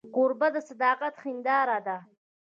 کوربه د صداقت هنداره ده.